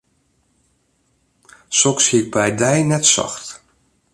Soks hie ik by dy net socht.